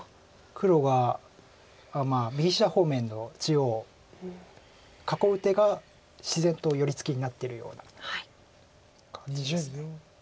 黒が右下方面の地を囲う手が自然と寄り付きになってるような感じです。